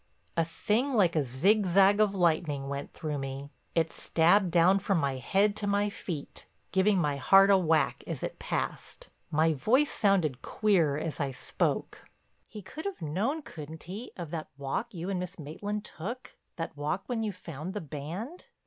A thing like a zigzag of lightning went through me. It stabbed down from my head to my feet, giving my heart a whack as it passed. My voice sounded queer as I spoke: "He could have known, couldn't he, of that walk you and Miss Maitland took, that walk when you found the band?"